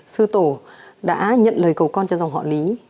sư tổ đã nhận lời cầu con cho dòng họ lý